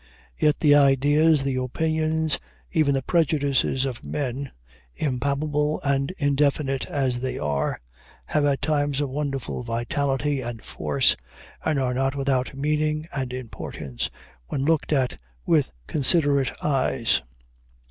Yet the ideas, the opinions, even the prejudices of men, impalpable and indefinite as they are, have at times a wonderful vitality and force and are not without meaning and importance when looked at with considerate eyes.